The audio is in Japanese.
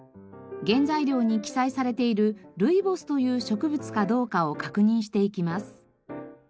原材料に記載されているルイボスという植物かどうかを確認していきます。